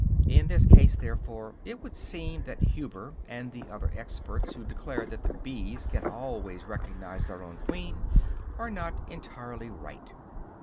In this case, therefore, it would seem that Huber, and the other experts who declare that the bees can always recognize their own queen, are not entirely right.